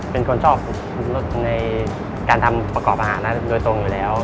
เป็นคนชอบรสในการทำประกอบอาหารโดยตรงอยู่แล้ว